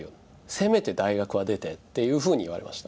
「せめて大学は出て」っていうふうに言われました。